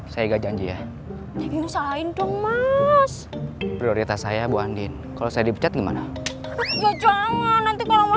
sampai jumpa di video selanjutnya